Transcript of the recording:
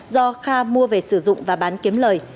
do kha mua về sử dụng và bán kiếm lời